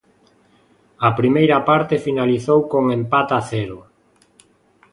A primeira parte finalizou con empate a cero.